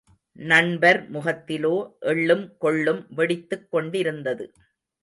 நண்பர் முகத்திலோ எள்ளும், கொள்ளும் வெடித்துக் கொண்டிருந்தது.